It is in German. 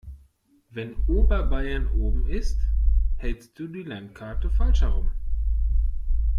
Wenn Oberbayern oben ist, hältst du die Landkarte falsch herum.